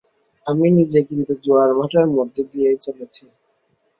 আমি নিজে কিন্তু জোয়ার-ভাঁটার মধ্য দিয়েই চলেছি।